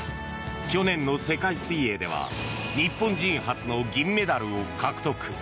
去年の世界水泳では日本人初の銀メダルを獲得。